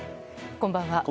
こんばんは。